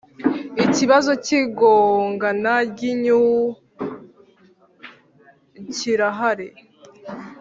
ikibazo cy igongana ry inyungucyirahari